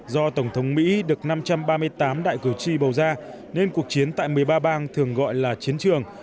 do tổng thống mỹ được năm trăm ba mươi tám đại cử tri bầu ra nên cuộc chiến tại một mươi ba bang thường gọi là chiến trường